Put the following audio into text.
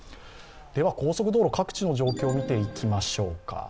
高速道路、各地の状況、見ていきましょうか。